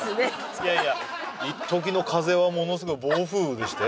いやいやいっときの風はものすごい暴風雨でしたよ